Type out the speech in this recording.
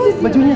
oh itu bajunya